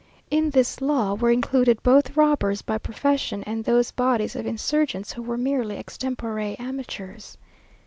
In this law were included both robbers by profession and those bodies of insurgents who were merely extempore amateurs.